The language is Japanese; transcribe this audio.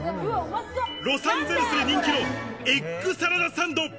ロサンゼルスで人気のエッグサラダサンド。